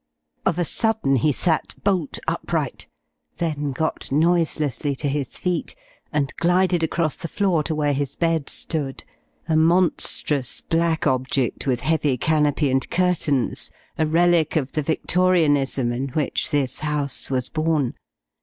Of a sudden he sat bolt upright, then got noiselessly to his feet and glided across the floor to where his bed stood a monstrous black object with heavy canopy and curtains, a relic of the Victorianism in which this house was born.